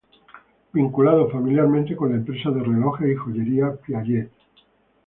Vinculado familiarmente con la empresa de relojes y joyería Piaget.